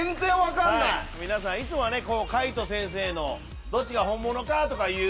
いつもは海人先生のどっちが本物か？とかいう。